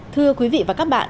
thưa quý vị và các bạn